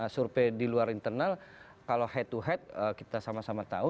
survei di luar internal kalau head to head kita sama sama tahu